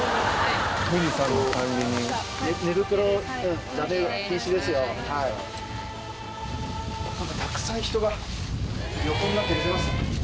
「富士山の管理人」なんかたくさん人が横になって寝てますね。